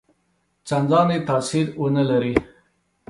څنداني تاثیر ونه لري.